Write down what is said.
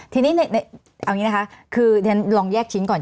ทีนี้เอาอย่างนี้นะคะคือเรียนลองแยกชิ้นก่อน